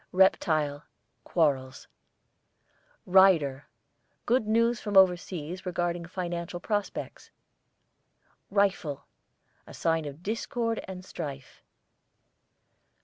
REPTILE, quarrels. RIDER, good news from overseas regarding financial prospects. RIFLE, a sign of discord and strife.